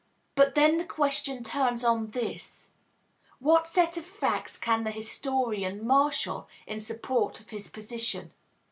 But then the question turns on this what set of facts can the historian marshal in support of his position?